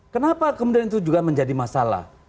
kenapa kemudian itu juga menjadi masalah